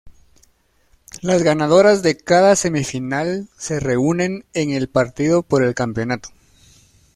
Las ganadoras de cada semifinal se reúnen en el partido por el campeonato.